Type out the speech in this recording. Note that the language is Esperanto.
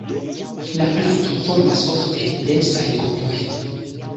La planto formas ofte densajn grupojn.